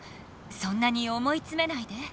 そんなに思いつめないで。